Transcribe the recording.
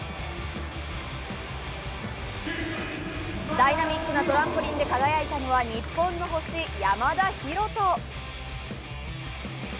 ダイナミックなトランポリンで輝いたのは日本の星・山田大翔。